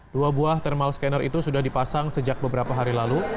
dua buah thermal scanner itu sudah dipasang sejak beberapa hari lalu